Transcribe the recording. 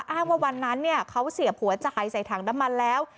อ้างว่าวันนั้นเขาเสียบหัวจะหายใส่ถังน้ำมันแล้ว